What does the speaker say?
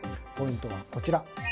ポイントはこちら。